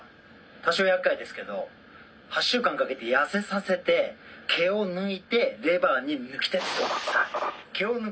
多少やっかいですけど８週間かけて痩せさせて毛を抜いてレバーに貫手ズドーンです。